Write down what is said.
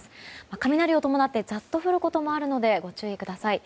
雷を伴ってザッと降ることもあるのでご注意ください。